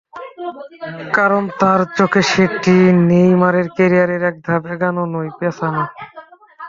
কারণ তাঁর চোখে সেটি নেইমারের ক্যারিয়ারে এক ধাপ এগোনো নয়, পেছানো।